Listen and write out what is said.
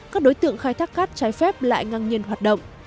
các đối tượng khai thác cát trái phép lại ngang nhiên hoạt động